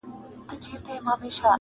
ډلي راغلې د افسرو درباریانو،